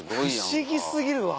不思議過ぎるわ。